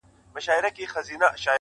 چي خاوند به له بازاره راغی کورته-